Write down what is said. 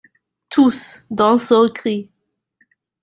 Tous, d'un seul cri.